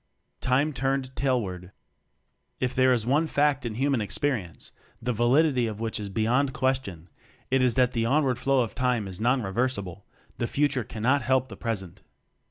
Time Turned Tailward! If there is one fact in human ex perience, the validity of which is be yond question, it is that the onward flow of Time is non reversible, the fu ture cannot help the present.